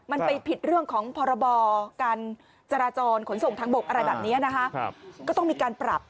มันไปผิดเรื่องของพรบอการจราจรขนส่งทางบกอะไรแบบนี้นะฮะ